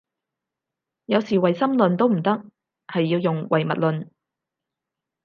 有時唯心論都唔得，係要用唯物論